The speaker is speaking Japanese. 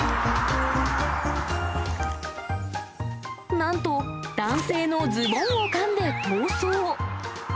なんと、男性のズボンをかんで逃走。